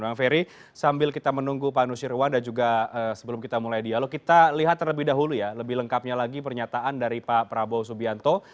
bang ferry sambil kita menunggu pak nusirwan dan juga sebelum kita mulai dialog kita lihat terlebih dahulu ya lebih lengkapnya lagi pernyataan dari pak prabowo subianto